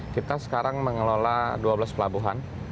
kita sekarang mengelola dua belas pelabuhan